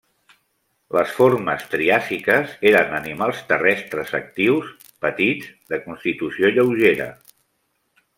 Les formes triàsiques eren animals terrestres actius, petits, de constitució lleugera.